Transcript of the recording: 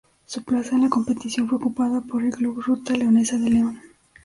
Su plaza en la competición fue ocupada por el Club Ruta Leonesa de León.